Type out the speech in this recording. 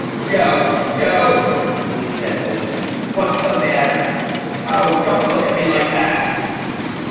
"Joe, Joe!" she said hoarsely, "what 's the matter? Oh, don't look at me like that."